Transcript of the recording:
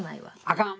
あかん。